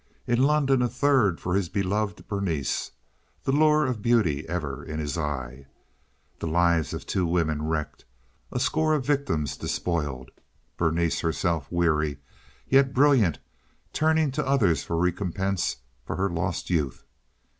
In London a third for his beloved Berenice, the lure of beauty ever in his eye. The lives of two women wrecked, a score of victims despoiled; Berenice herself weary, yet brilliant, turning to others for recompense for her lost youth.